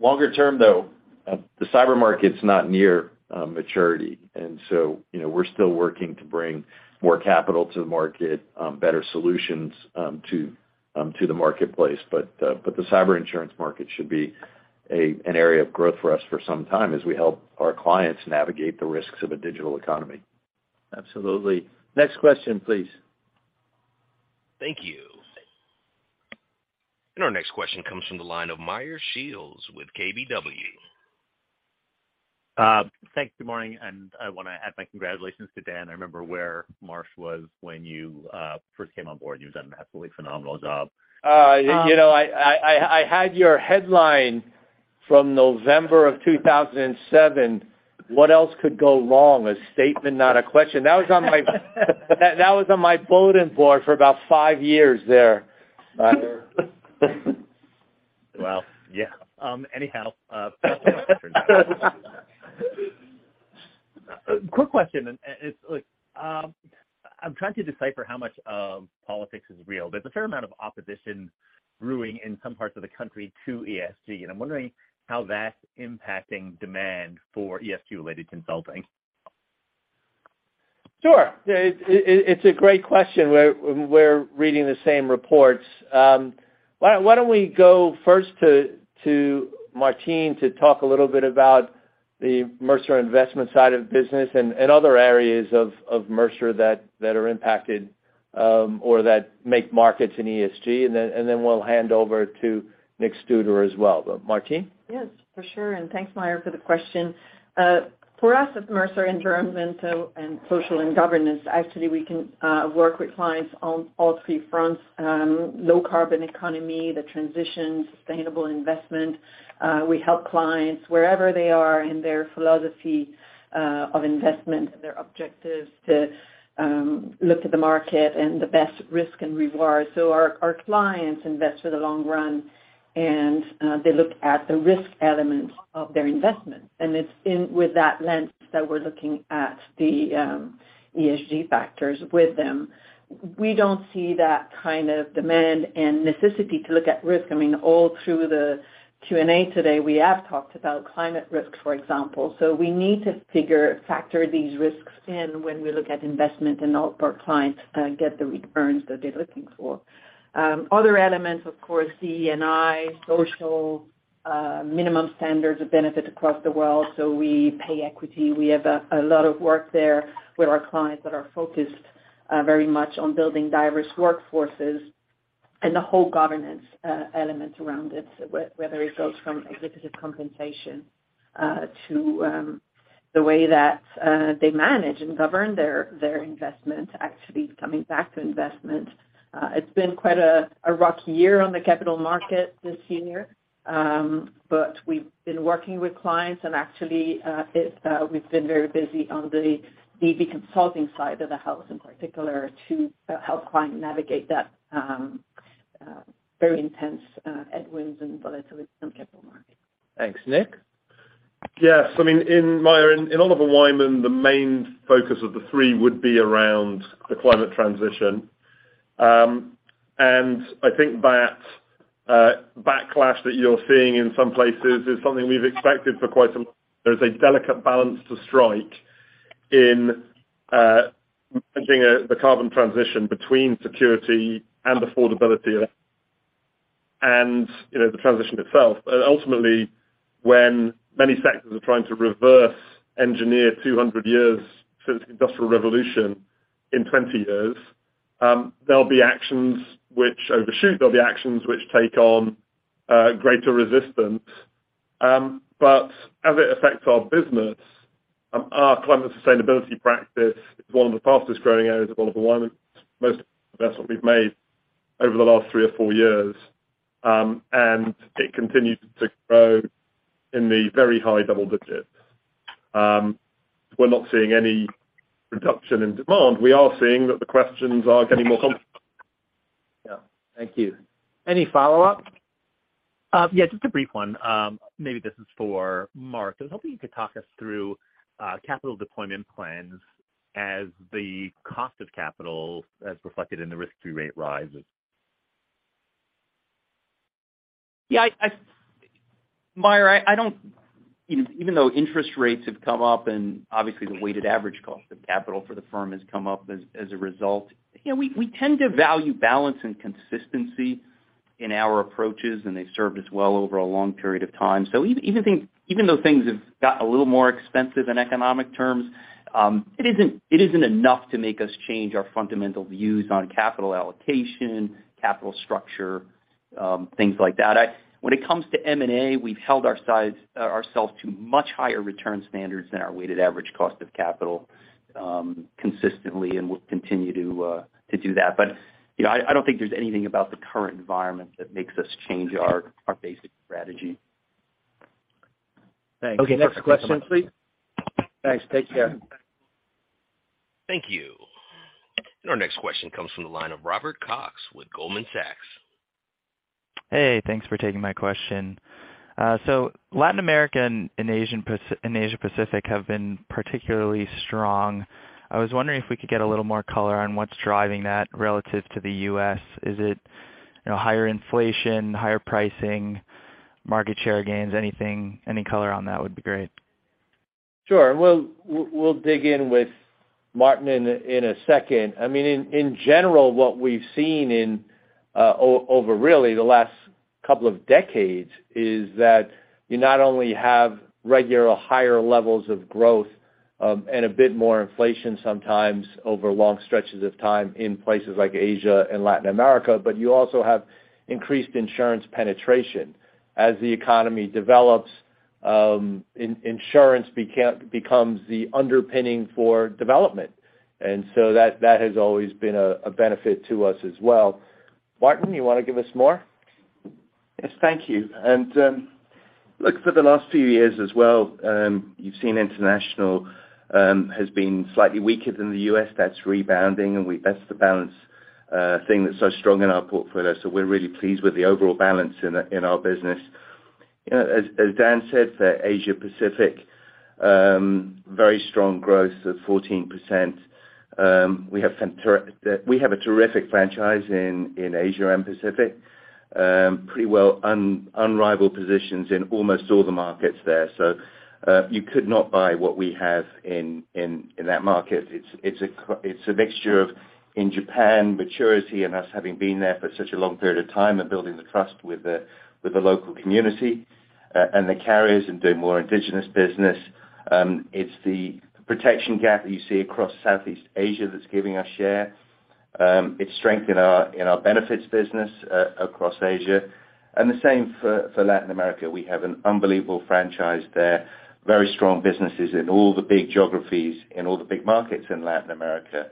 Longer term, though, the cyber market's not near maturity. You know, we're still working to bring more capital to the market, better solutions to the marketplace. The cyber insurance market should be an area of growth for us for some time as we help our clients navigate the risks of a digital economy. Absolutely. Next question, please. Thank you. Our next question comes from the line of Meyer Shields with KBW. Thanks. Good morning, and I wanna add my congratulations to Dan. I remember where Marsh was when you first came on board. You've done an absolutely phenomenal job. You know, I had your headline from November 2007, what else could go wrong? A statement, not a question. That was on my bulletin board for about five years there. Well, yeah. Anyhow, quick question, and it's like, I'm trying to decipher how much of politics is real. There's a fair amount of opposition brewing in some parts of the country to ESG, and I'm wondering how that's impacting demand for ESG-related consulting. Sure. Yeah, it's a great question. We're reading the same reports. Why don't we go first to Martine to talk a little bit about the Mercer investment side of the business and other areas of Mercer that are impacted or that make markets in ESG, and then we'll hand over to Nick Studer as well. Martine? Yes, for sure. Thanks, Meyer, for the question. For us at Mercer, in terms of environmental, social, and governance, actually we can work with clients on all three fronts, low carbon economy, the transition, sustainable investment. We help clients wherever they are in their philosophy of investment and their objectives to look at the market and the best risk and reward. Our clients invest for the long run, and they look at the risk element of their investment. It's in with that lens that we're looking at the ESG factors with them. We don't see that kind of demand and necessity to look at risk. I mean, all through the Q&A today, we have talked about climate risk, for example. We need to factor these risks in when we look at investment and help our clients get the returns that they're looking for. Other elements, of course, DE&I, social, minimum standards of benefit across the world. We pay equity. We have a lot of work there with our clients that are focused very much on building diverse workforces and the whole governance element around it, whether it goes from executive compensation to the way that they manage and govern their investment. Actually coming back to investment, it's been quite a rocky year on the capital market this year, but we've been working with clients and actually we've been very busy on the DB consulting side of the house in particular to help clients navigate that very intense headwinds and volatility on capital markets. Thanks. Nick? Yes. I mean, Meyer, in Oliver Wyman, the main focus of the three would be around the climate transition. I think that backlash that you're seeing in some places is something we've expected for quite some time. There's a delicate balance to strike in managing the carbon transition between security and affordability and, you know, the transition itself. Ultimately, when many sectors are trying to reverse engineer 200 years since the Industrial Revolution in 20 years, there'll be actions which overshoot, there'll be actions which take on greater resistance. As it affects our business, our climate sustainability practice is one of the fastest-growing areas of Oliver Wyman, most investment we've made over the last three or four years, and it continues to grow in the very high double digits. We're not seeing any reduction in demand. We are seeing that the questions are getting more complex. Yeah. Thank you. Any follow-up? Yeah, just a brief one. Maybe this is for Mark McGivney. I was hoping you could talk us through capital deployment plans as the cost of capital as reflected in the risk-free rate rises. Yeah, Meyer, I don't. You know, even though interest rates have come up and obviously the weighted average cost of capital for the firm has come up as a result, you know, we tend to value balance and consistency in our approaches, and they've served us well over a long period of time. Even though things have got a little more expensive in economic terms, it isn't enough to make us change our fundamental views on capital allocation, capital structure, things like that. When it comes to M&A, we've held ourselves to much higher return standards than our weighted average cost of capital, consistently, and we'll continue to do that. You know, I don't think there's anything about the current environment that makes us change our basic strategy. Thanks. Next question, please. Thanks. Take care. Thank you. Our next question comes from the line of Robert Cox with Goldman Sachs. Hey, thanks for taking my question. Latin America and Asia Pacific have been particularly strong. I was wondering if we could get a little more color on what's driving that relative to the U.S. Is it, you know, higher inflation, higher pricing, market share gains? Anything, any color on that would be great. Sure. We'll dig in with Martin in a second. I mean, in general, what we've seen in over really the last couple of decades is that you not only have regular higher levels of growth, and a bit more inflation sometimes over long stretches of time in places like Asia and Latin America, but you also have increased insurance penetration. As the economy develops, insurance becomes the underpinning for development. That has always been a benefit to us as well. Martin, you wanna give us more? Yes, thank you. Look, for the last few years as well, you've seen international has been slightly weaker than the U.S. That's rebounding and that's the balance thing that's so strong in our portfolio. We're really pleased with the overall balance in our business. You know, as Dan said, the Asia Pacific very strong growth of 14%. We have a terrific franchise in Asia and Pacific, pretty well unrivaled positions in almost all the markets there. You could not buy what we have in that market. It's a mixture of, in Japan, maturity and us having been there for such a long period of time and building the trust with the local community and the carriers and doing more indigenous business. It's the protection gap that you see across Southeast Asia that's giving us share. It's strength in our benefits business across Asia. The same for Latin America. We have an unbelievable franchise there. Very strong businesses in all the big geographies, in all the big markets in Latin America.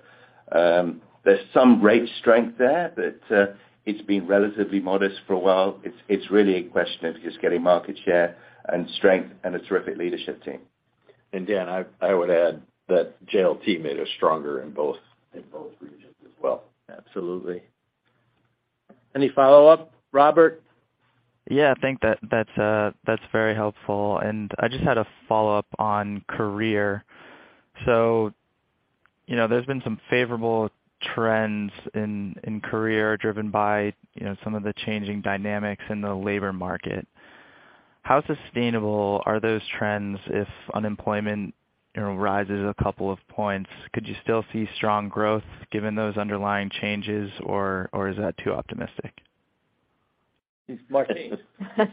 There's some rate strength there, but it's been relatively modest for a while. It's really a question of just getting market share and strength and a terrific leadership team. Dan, I would add that JLT made us stronger in both regions as well. Absolutely. Any follow up, Robert? Yeah, I think that's very helpful. I just had a follow-up on career. You know, there's been some favorable trends in career driven by you know some of the changing dynamics in the labor market. How sustainable are those trends if unemployment you know rises a couple of points? Could you still see strong growth given those underlying changes, or is that too optimistic? Martine?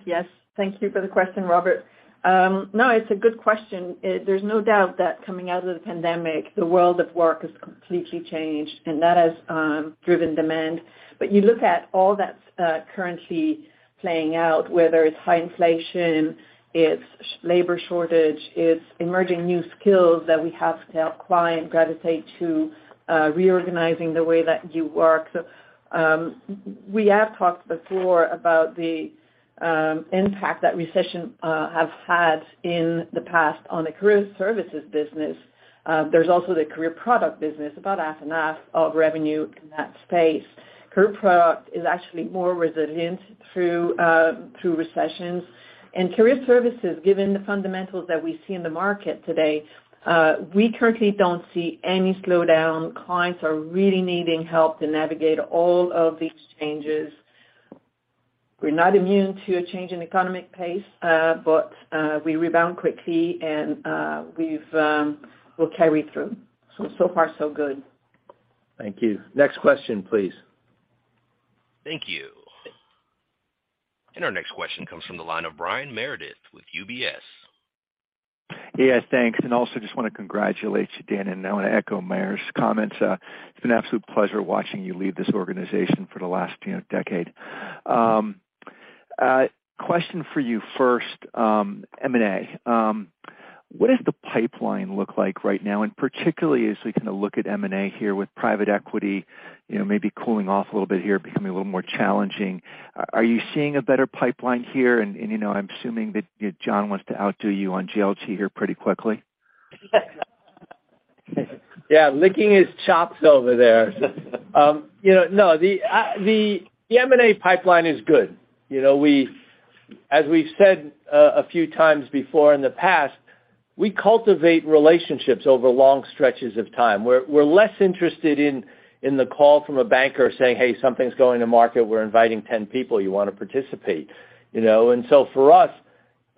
Yes. Thank you for the question, Robert. No, it's a good question. There's no doubt that coming out of the pandemic, the world of work has completely changed, and that has driven demand. You look at all that's currently playing out, whether it's high inflation, it's labor shortage, it's emerging new skills that we have to help client gravitate to, reorganizing the way that you work. We have talked before about the impact that recession have had in the past on the career services business. There's also the career product business, about half and half of revenue in that space. Career product is actually more resilient through recessions. Career services, given the fundamentals that we see in the market today, we currently don't see any slowdown. Clients are really needing help to navigate all of these changes. We're not immune to a change in economic pace, but we rebound quickly and we'll carry through. So far so good. Thank you. Next question, please. Thank you. Our next question comes from the line of Brian Meredith with UBS. Yeah, thanks. I also just wanna congratulate you, Dan. I wanna echo Meyer's comments. It's been an absolute pleasure watching you lead this organization for the last, you know, decade. Question for you first, M&A. What does the pipeline look like right now? Particularly as we kinda look at M&A here with private equity, you know, maybe cooling off a little bit here, becoming a little more challenging, are you seeing a better pipeline here? You know, I'm assuming that, you know, John wants to outdo you on JLT here pretty quickly. Yeah, licking his chops over there. You know, no, the M&A pipeline is good. You know, we, as we've said a few times before in the past, we cultivate relationships over long stretches of time. We're less interested in the call from a banker saying, "Hey, something's going to market. We're inviting 10 people. You wanna participate?" You know. For us,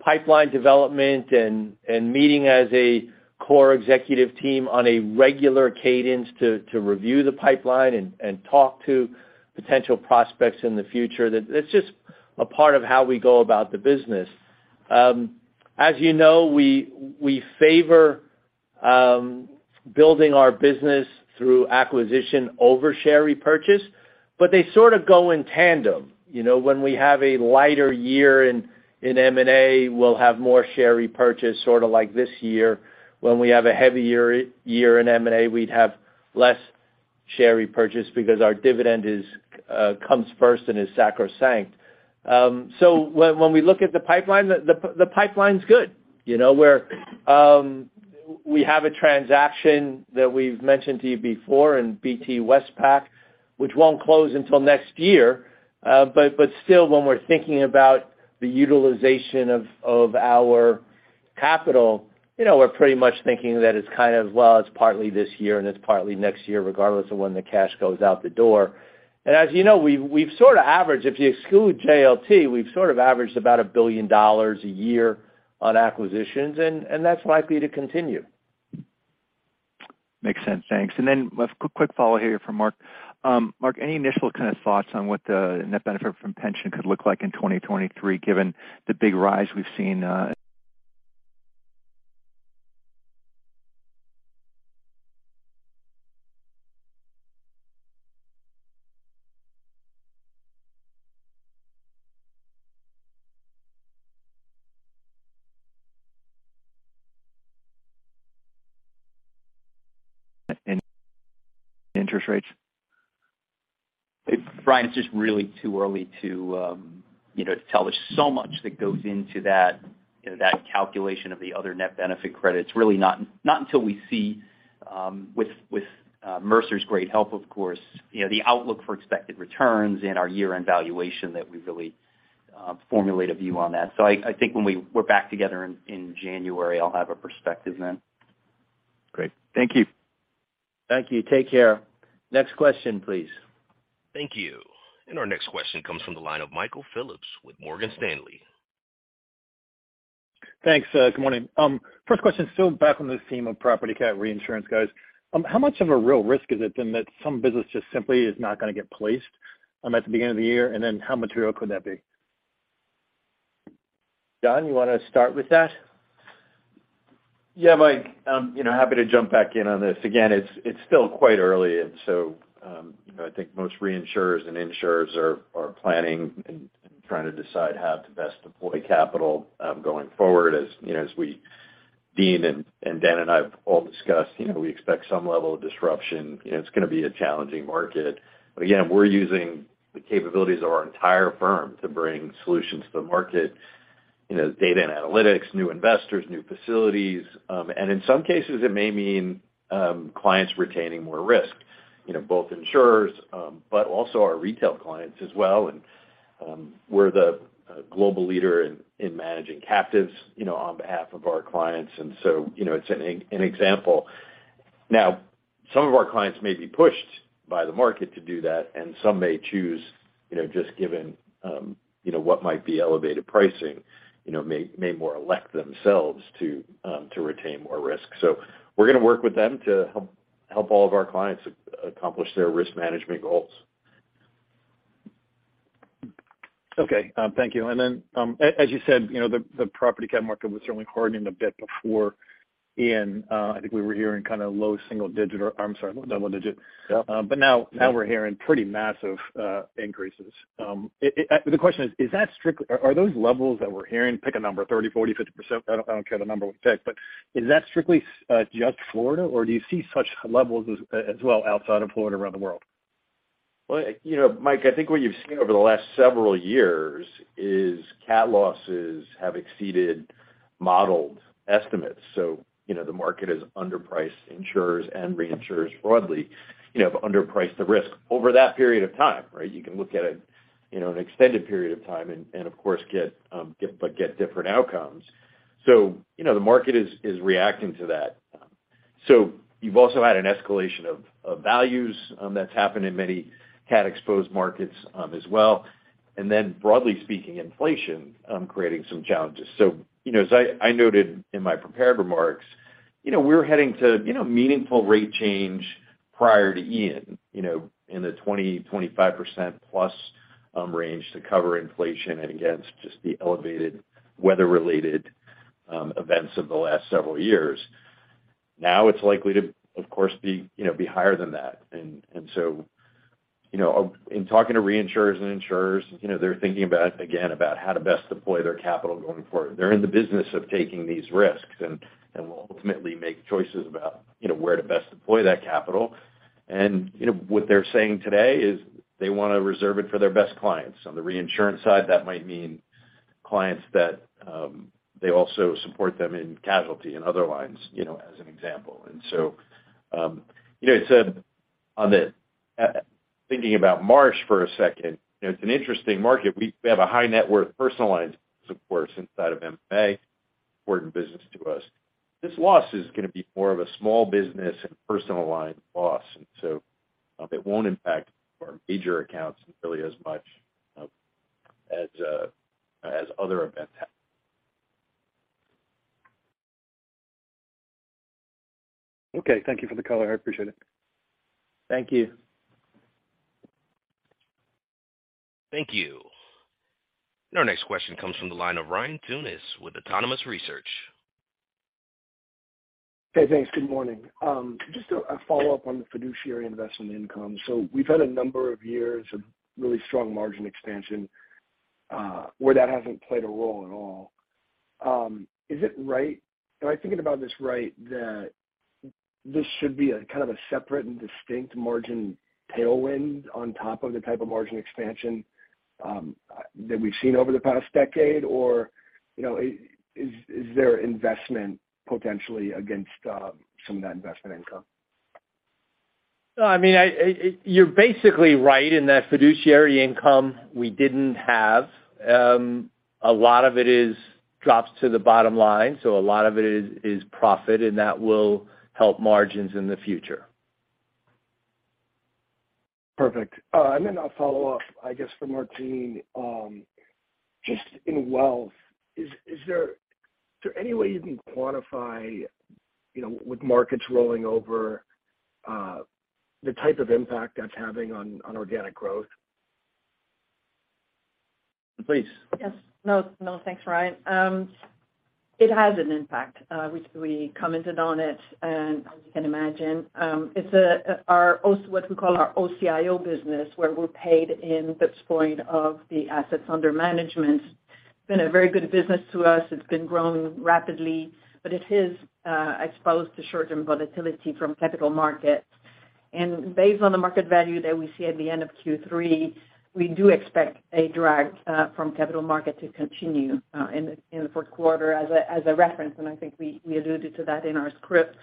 pipeline development and meeting as a core executive team on a regular cadence to review the pipeline and talk to potential prospects in the future, that's just a part of how we go about the business. As you know, we favor building our business through acquisition over share repurchase, but they sort of go in tandem. You know, when we have a lighter year in M&A, we'll have more share repurchase, sorta like this year. When we have a heavier year in M&A, we'd have less share repurchase because our dividend comes first and is sacrosanct. When we look at the pipeline, the pipeline's good. You know, we have a transaction that we've mentioned to you before in BT Westpac, which won't close until next year. Still, when we're thinking about the utilization of our capital, you know, we're pretty much thinking that it's kind of, well, it's partly this year, and it's partly next year, regardless of when the cash goes out the door. As you know, if you exclude JLT, we've sort of averaged about $1 billion a year on acquisitions, and that's likely to continue. Makes sense. Thanks. Quick follow here for Mark. Mark, any initial kind of thoughts on what the net benefit from pension could look like in 2023, given the big rise we've seen in interest rates? Brian, it's just really too early to, you know, to tell. There's so much that goes into that. You know, that calculation of the other net benefit credits really not until we see, with Mercer's great help, of course, you know, the outlook for expected returns in our year-end valuation that we really formulate a view on that. I think when we're back together in January, I'll have a perspective then. Great. Thank you. Thank you. Take care. Next question, please. Thank you. Our next question comes from the line of Michael Phillips with Morgan Stanley. Thanks, good morning. First question, still back on this theme of property cat reinsurance, guys. How much of a real risk is it then that some business just simply is not gonna get placed, at the beginning of the year? Then how material could that be? John, you wanna start with that? Yeah, Mike, you know, happy to jump back in on this. Again, it's still quite early. I think most reinsurers and insurers are planning and trying to decide how to best deploy capital going forward. As you know, Dean and Dan and I have all discussed, you know, we expect some level of disruption. You know, it's gonna be a challenging market. Again, we're using the capabilities of our entire firm to bring solutions to the market. You know, data and analytics, new investors, new facilities. In some cases it may mean clients retaining more risk, you know, both insurers but also our retail clients as well. We're the global leader in managing captives, you know, on behalf of our clients. You know, it's an example. Now, some of our clients may be pushed by the market to do that, and some may choose, you know, just given, you know, what might be elevated pricing, you know, may more elect themselves to retain more risk. We're gonna work with them to help all of our clients accomplish their risk management goals. Okay. Thank you. As you said, you know, the property cat market was certainly hardening a bit before Ian. I think we were hearing kind of low single digit or I'm sorry, low double digit. Yeah. Now we're hearing pretty massive increases. The question is, are those levels that we're hearing, pick a number 30%, 40%, 50%, I don't care the number we pick, but is that strictly just Florida, or do you see such levels as well outside of Florida around the world? Well, you know, Mike, I think what you've seen over the last several years is cat losses have exceeded modeled estimates. You know, the market has underpriced insurers and reinsurers broadly, you know, have underpriced the risk over that period of time, right? You can look at you know an extended period of time and of course get different outcomes. You know, the market is reacting to that. You've also had an escalation of values that's happened in many cat exposed markets as well. Then broadly speaking, inflation creating some challenges. You know, as I noted in my prepared remarks, you know, we're heading to meaningful rate change prior to Ian, you know, in the 25%+ range to cover inflation and against just the elevated weather-related events of the last several years. Now it's likely to, of course, be higher than that. You know, in talking to reinsurers and insurers, you know, they're thinking about how to best deploy their capital going forward. They're in the business of taking these risks and will ultimately make choices about, you know, where to best deploy that capital. You know, what they're saying today is they wanna reserve it for their best clients. On the reinsurance side, that might mean clients that they also support them in casualty and other lines, you know, as an example. You know, on the thinking about Marsh for a second, you know, it's an interesting market. We have a high net worth personal line supports inside of MMA, important business to us. This loss is gonna be more of a small business and personal line loss. It won't impact our major accounts really as much, as other events have. Okay. Thank you for the color. I appreciate it. Thank you. Thank you. Our next question comes from the line of Ryan Tunis with Autonomous Research. Hey, thanks. Good morning. Just a follow-up on the fiduciary investment income. We've had a number of years of really strong margin expansion, where that hasn't played a role at all. Is it right? Am I thinking about this right, that this should be a kind of a separate and distinct margin tailwind on top of the type of margin expansion that we've seen over the past decade? Or, you know, is there investment potentially against some of that investment income? No, I mean, you're basically right in that fiduciary income we didn't have. A lot of it is drops to the bottom line, so a lot of it is profit, and that will help margins in the future. Perfect. I'll follow up, I guess, for Martine. Just in wealth, is there any way you can quantify, you know, with markets rolling over, the type of impact that's having on organic growth? Please. Yes. No, no, thanks, Ryan. It has an impact. We commented on it and as you can imagine, it's what we call our OCIO business, where we're paid in basis points of the assets under management. It's been a very good business to us. It's been growing rapidly, but it is exposed to short-term volatility from capital markets. Based on the market value that we see at the end of Q3, we do expect a drag from capital market to continue in the fourth quarter as a reference, and I think we alluded to that in our script.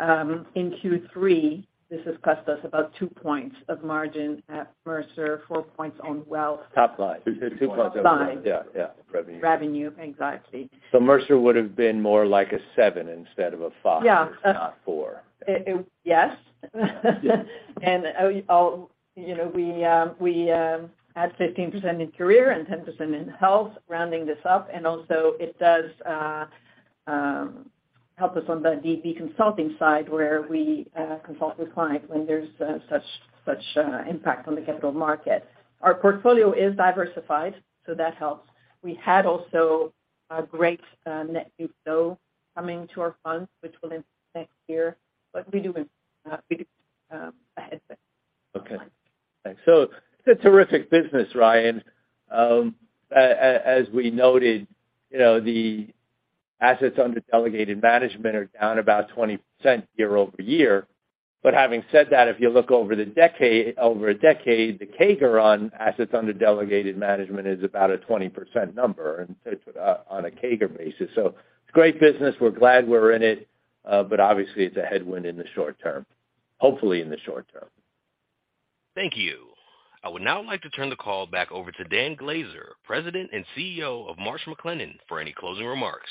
In Q3, this has cost us about two points of margin at Mercer, four points on wealth- Top line. Two points. Top line. Yeah, yeah. Revenue. Revenue. Exactly. Mercer would have been more like a seven instead of a five. Yeah. If not four. Yes. Oh, you know, we had 15% in career and 10% in health, rounding this up, and also it does help us on the consulting side where we consult with clients when there's such impact on the capital market. Our portfolio is diversified, so that helps. We had also a great net new flow coming to our funds, which will impact next year. But we do have a head. Okay, thanks. It's a terrific business, Ryan. As we noted, you know, the assets under delegated management are down about 20% year-over-year. Having said that, if you look over the decade, over a decade, the CAGR on assets under delegated management is about a 20% number and so it's on a CAGR basis. It's a great business. We're glad we're in it, but obviously, it's a headwind in the short term, hopefully in the short term. Thank you. I would now like to turn the call back over to Dan Glaser, President and CEO of Marsh McLennan, for any closing remarks.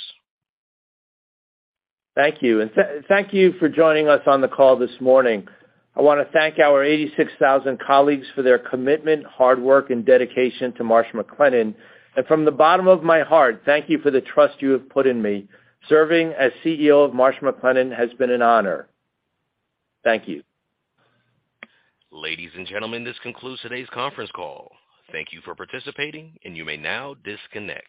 Thank you. Thank you for joining us on the call this morning. I wanna thank our 86,000 colleagues for their commitment, hard work, and dedication to Marsh McLennan. From the bottom of my heart, thank you for the trust you have put in me. Serving as CEO of Marsh McLennan has been an honor. Thank you. Ladies and gentlemen, this concludes today's conference call. Thank you for participating, and you may now disconnect.